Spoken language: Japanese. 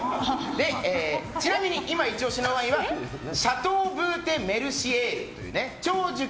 ちなみに今イチ押しのワインはＣＨブーテメルシエールという超熟。